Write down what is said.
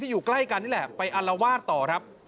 สวยสวยสวยสวยสวยสวยสวยสวย